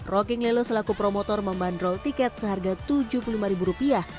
rocking lelo selaku promotor membandrol tiket seharga tujuh puluh lima ribu rupiah